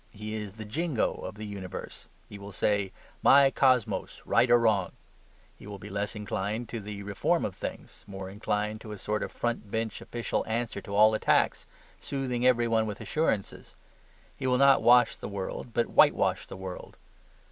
He is the jingo of the universe; he will say, "My cosmos, right or wrong." He will be less inclined to the reform of things; more inclined to a sort of front bench official answer to all attacks, soothing every one with assurances. He will not wash the world, but whitewash the world.